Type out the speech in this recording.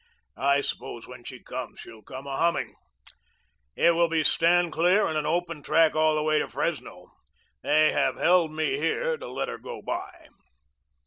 I suppose when she comes, she'll come a humming. It will be stand clear and an open track all the way to Fresno. They have held me here to let her go by."